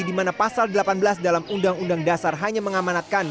di mana pasal delapan belas dalam undang undang dasar hanya mengamanatkan